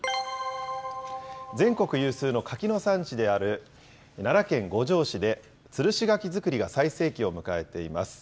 全国有数の柿の産地である奈良県五條市で、つるし柿作りが最盛期を迎えています。